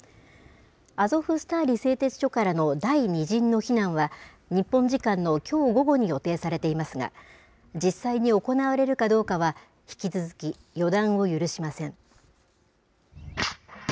アゾフスターリ製鉄所からの第２陣の避難は、日本時間のきょう午後に予定されていますが、実際に行われるかどうかは、引き続き予断を許しません。